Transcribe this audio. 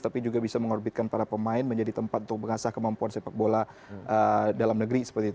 tapi juga bisa mengorbitkan para pemain menjadi tempat untuk mengasah kemampuan sepak bola dalam negeri